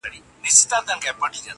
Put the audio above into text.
ما يادوه چي کله لږ شانې اوزگاره سوې,